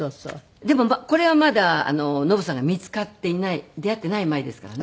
でもこれはまだノヴさんが見つかっていない出会っていない前ですからね。